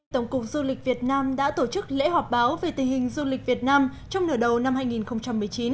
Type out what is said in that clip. tổng cục du lịch việt nam đã tổ chức lễ họp báo về tình hình du lịch việt nam trong nửa đầu năm hai nghìn một mươi chín